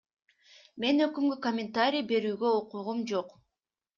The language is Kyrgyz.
Мен өкүмгө комментарий берүүгө укугум жок.